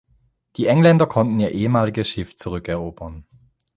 Die Engländer konnten ihr ehemaliges Schiff zurückerobern.